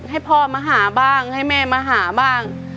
ให้พ่อมาหาบ้างให้แม่มาหาบ้าง